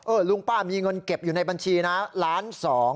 ลุงป้ามีเงินเก็บอยู่ในบัญชีนะล้านสอง